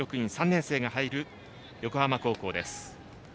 ３年生が入る横浜高校です。